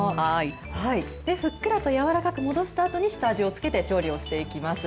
ふっくらと柔らかく戻したあとで、下味を付けて調理をしていきます。